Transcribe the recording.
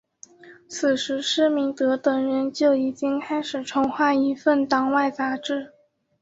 此时施明德等人就已经开始筹划一份党外杂志。